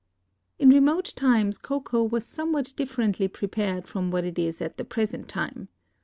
In remote times cocoa was somewhat differently prepared from what it is at the present time.